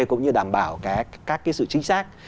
cũng như đảm bảo các cái sự chính xác